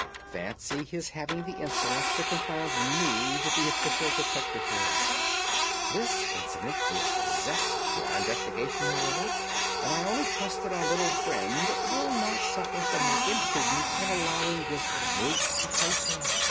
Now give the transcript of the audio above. "Fancy his having the insolence to confound me with the official detective force! This incident gives zest to our investigation, however, and I only trust that our little friend will not suffer from her imprudence in allowing this brute to trace her.